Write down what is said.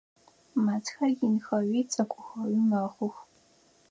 Мэзхэр инхэуи цӏыкӏухэуи мэхъух.